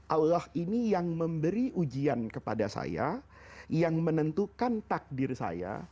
allah ini yang memberi ujian kepada saya yang menentukan takdir saya